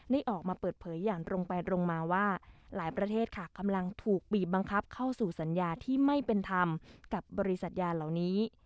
ได้ออกมาเปิดเผยอย่างตรงไปตรงมาว่าหลายประเทศค่ะกำลังถูกบีบบังคับเข้าสู่สัญญาที่ไม่เป็นธรรมกับบริษัทยาเหล่านี้